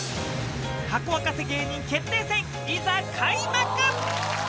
ハコ沸かせ芸人決定戦、いざ、開幕。